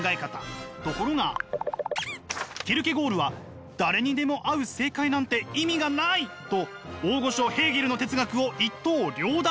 ところがキルケゴールは誰にでも合う正解なんて意味がない！と大御所ヘーゲルの哲学を一刀両断！